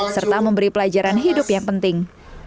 serta memberi pelajaran hidup yang penting